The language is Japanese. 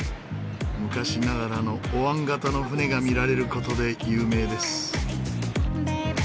昔ながらのおわん形の舟が見られる事で有名です。